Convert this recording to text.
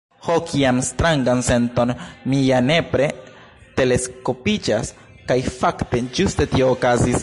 "Ho, kian strangan senton! mi ja nepre teleskopiĝas!" Kaj fakte ĝuste tio okazis.